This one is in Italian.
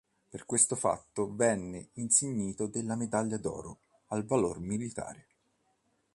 Per questo fatto venne insignito della Medaglia d'oro al valor militare.